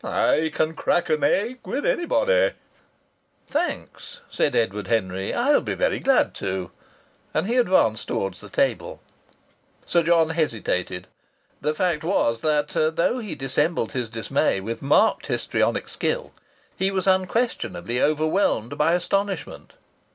I can crack an egg with anybody." "Thanks," said Edward Henry. "I'll be very glad to." And he advanced towards the table. Sir John hesitated. The fact was that, though he dissembled his dismay with marked histrionic skill, he was unquestionably overwhelmed by astonishment.